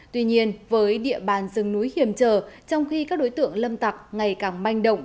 tuy nhiên với địa bàn rừng núi hiểm trở trong khi các đối tượng lâm tặc ngày càng manh động